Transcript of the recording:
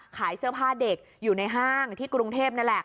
ขายเสื้อผ้าเด็กอยู่ในห้างที่กรุงเทพนั่นแหละ